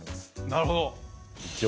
なるほど！